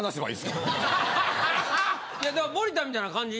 森田みたいな感じ？